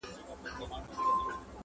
قنلدر ته په زاريو غلبلو سو،